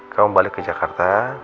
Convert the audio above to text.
kamu balik ke jakarta